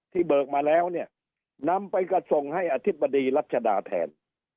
เบิกมาแล้วเนี่ยนำไปก็ส่งให้อธิบดีรัชดาแทน